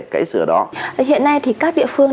cái sửa đó hiện nay thì các địa phương